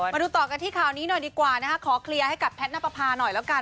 มาดูต่อกันที่ข่าวนี้หน่อยดีกว่านะคะขอเคลียร์ให้กับแพทย์นับประพาหน่อยแล้วกัน